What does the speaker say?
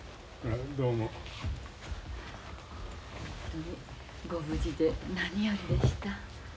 本当にご無事で何よりでした。